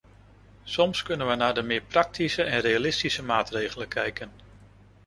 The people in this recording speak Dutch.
Soms kunnen we naar de meer praktische en realistische maatregelen kijken.